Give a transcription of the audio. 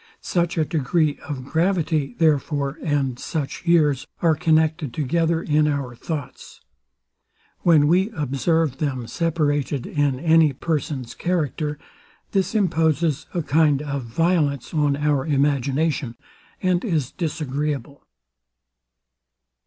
Such a degree of gravity, therefore, and such years, are connected together in our thoughts. When we observe them separated in any person's character, this imposes a kind of violence on our imagination, and is disagreeable.